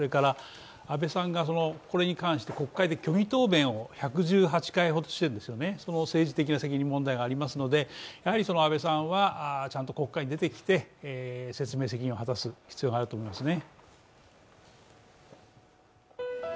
安倍さんがこれに関して国会で虚偽答弁をを１１８回ぐらいしてるんですよね、その政治的責任がありますのでやはり安倍さんはちゃんと国会に出てきて説明責任を果たす必要があると思いますね。